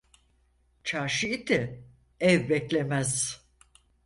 Çarşı iti ev beklemez.